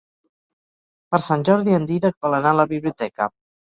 Per Sant Jordi en Dídac vol anar a la biblioteca.